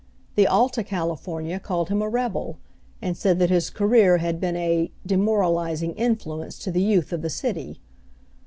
The Alta California called him a rebel, and said that his career had been "a demoralizing influence to the youth of the city."